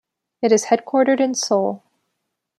It is headquartered in Seoul.